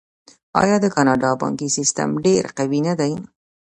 آیا د کاناډا بانکي سیستم ډیر قوي نه دی؟